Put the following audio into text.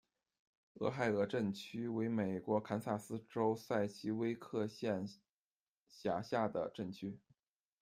俄亥俄镇区为美国堪萨斯州塞奇威克县辖下的镇区。